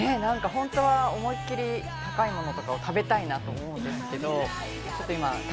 なんかホントは思いっきり高いもの食べたいなと思うんですけど。